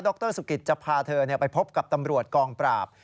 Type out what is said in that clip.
รสุกิตจะพาเธอไปพบกับตำรวจกองปราบ